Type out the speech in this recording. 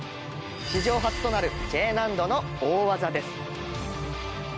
史上初となるＪ難度の大技です。